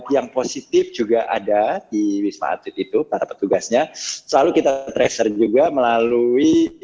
yang positif juga ada di wisma atlet itu para petugasnya selalu kita tracer juga melalui